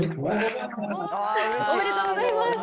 おめでとうございます。